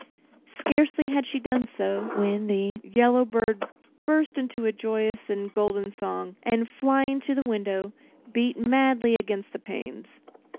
Scarcely had she done so, when the yellow bird burst into a joyous and golden song, and flying to the window, beat madly against the panes.